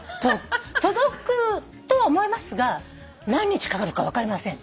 「届くとは思いますが何日かかるか分かりません」